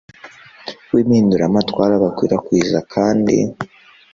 w'impinduramatwara bakwirakwiza kandi